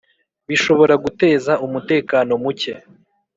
bishobora guteza umutekano muke